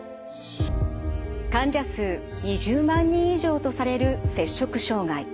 患者数２０万人以上とされる摂食障害。